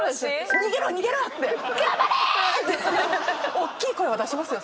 大きい声は出しますよ